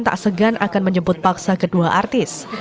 tak segan akan menjemput paksa kedua artis